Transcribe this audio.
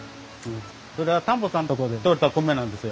それは田んぼさんのとこで取れた米なんですよ。